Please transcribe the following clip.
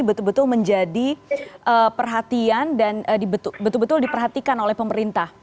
betul betul menjadi perhatian dan betul betul diperhatikan oleh pemerintah